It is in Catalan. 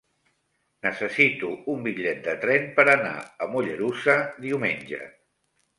Necessito un bitllet de tren per anar a Mollerussa diumenge.